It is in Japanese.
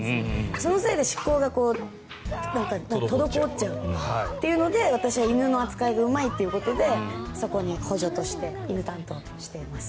そのせいで執行が滞っちゃうというので私が犬の扱いがうまいということでそこに補助として犬担当をしています。